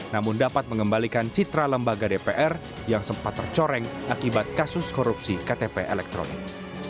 namun dapat mengembalikan citra lembaga dpr yang sempat tercoreng akibat kasus korupsi ktp elektronik